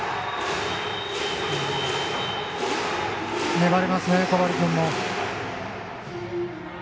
粘りますね、小針君も。